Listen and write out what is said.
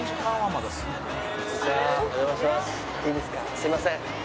すいません。